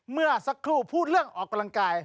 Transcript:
เมื่อสักครู่พูดเรื่องออกกำลังกาย